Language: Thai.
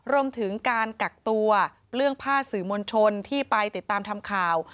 รวมถึงการกักตัวเรื่องผ้าสื่อมวลชนที่ไปติดตามทำข่าว